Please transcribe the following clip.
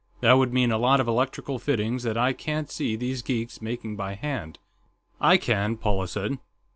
That would mean a lot of electrical fittings that I can't see these geeks making by hand." "I can," Paula said.